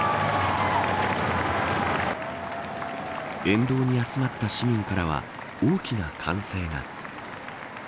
沿道に集まった市民からは大きな歓声が。